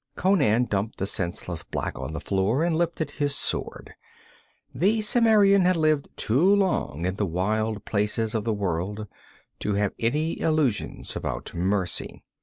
Conan dumped the senseless black on the floor, and lifted his sword. The Cimmerian had lived too long in the wild places of the world to have any illusions about mercy.